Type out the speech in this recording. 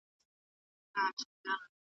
پرمختګ ممکن دی.